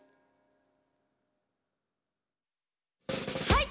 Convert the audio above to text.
はい！